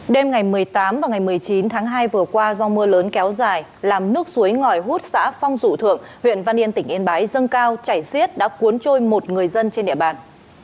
đêm ngày một mươi tám và ngày một mươi chín tháng hai vừa qua do mưa lớn kéo dài làm nước suối ngòi hút xã phong dụ thượng huyện văn yên tỉnh yên bái dâng cao chảy xiết đã cuốn trôi một người dân trên địa bàn